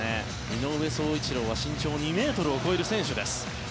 井上宗一郎は身長２ｍを超える選手です。